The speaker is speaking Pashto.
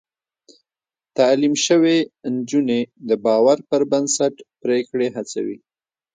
تعليم شوې نجونې د باور پر بنسټ پرېکړې هڅوي.